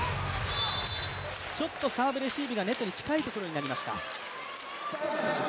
ちょっとサーブレシーブがネットに近いところになりました。